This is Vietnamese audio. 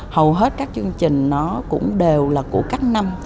hầu hết các chương trình nó cũng đều là của các năm